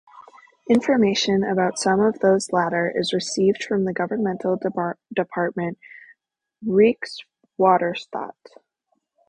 Information about some of those latter is received from the governmental department Rijkswaterstaat.